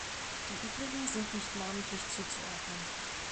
Die übrigen sind nicht namentlich zuzuordnen.